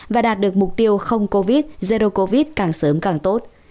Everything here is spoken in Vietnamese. và đạt được mục tiêu không covid zero covid càng sớm càng tốt